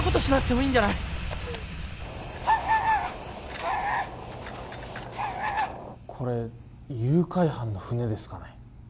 助けてこれ誘拐犯の船ですかね？